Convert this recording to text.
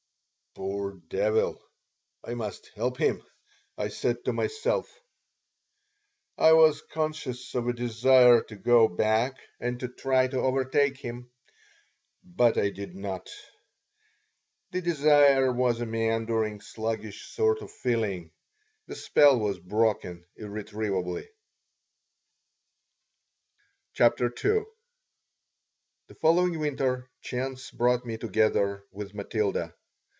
"Poor devil! I must help him," I said to myself. I was conscious of a desire to go back and to try to overtake him; but I did not. The desire was a meandering, sluggish sort of feeling. The spell was broken irretrievably CHAPTER II THE following winter chance brought me together with Matilda.